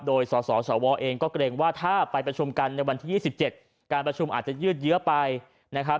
โดยสสวเองก็เกรงว่าถ้าไปประชุมกันในวันที่๒๗การประชุมอาจจะยืดเยอะไปนะครับ